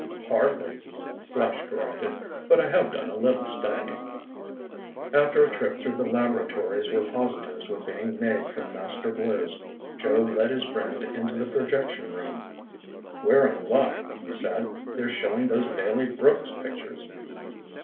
"Hardly," Flash corrected. "But I have done a little studying." After a trip through the laboratories where positives were being made from "master blues," Joe led his friend into the projection room. "We're in luck," he said. "They're showing those Bailey Brooks pictures."